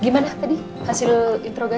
gimana tadi hasil introgasi